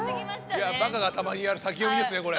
バカがたまにやる先読みですねこれ。